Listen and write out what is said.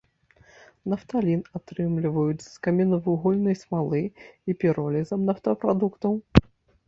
Нафталін атрымліваюць з каменнавугальнай смалы і піролізам нафтапрадуктаў.